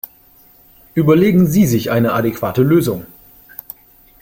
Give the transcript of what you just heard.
Überlegen Sie sich eine adäquate Lösung!